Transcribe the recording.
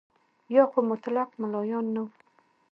یا خو مطلق ملایان نه وو.